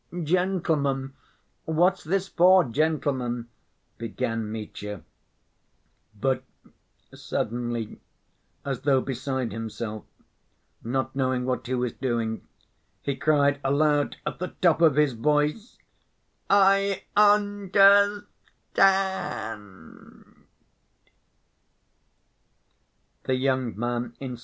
"Gentlemen! What's this for, gentlemen?" began Mitya, but suddenly, as though beside himself, not knowing what he was doing, he cried aloud, at the top of his voice: "I un—der—stand!"